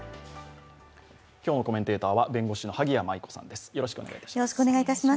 今日のコメンテーターは弁護士の萩谷麻衣子さんです。